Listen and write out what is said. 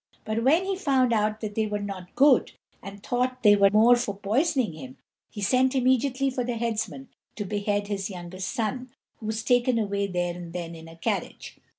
But when he found out that they were not good, and thought that they were more for poisoning him, he sent immediately for the headsman to behead his youngest son, who was taken away there and then in a carriage.